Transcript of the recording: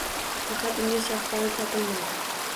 Faqat unda shaftoli topilmaydi